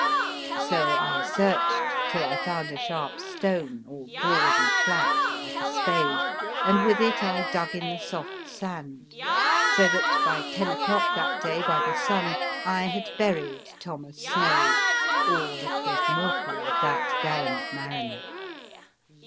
So I searched till I found a sharp stone all broad and flat like a spade, and with it I dug in the soft sand, so that by ten o'clock that day by the sun I had buried Thomas Snoad, all that was mortal of that gal lant mariner.